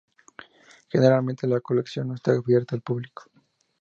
Generalmente la colección no está abierta al público.